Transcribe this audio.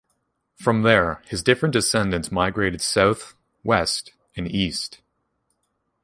From there, his different descendants migrated south, west, and east.